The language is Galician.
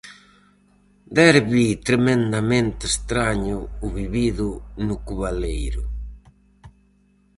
Derbi tremendamente estraño o vivido no Cubaleiro.